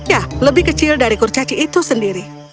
ya lebih kecil dari kurcaci itu sendiri